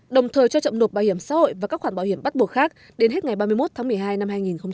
đồng thời cho chậm nộp bảo hiểm xã hội và các khoản bảo hiểm bắt buộc khác đến hết ngày ba mươi một tháng một mươi hai năm hai nghìn hai mươi